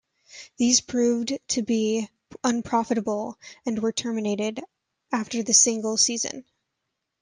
These proved to be unprofitable and were terminated after the single season.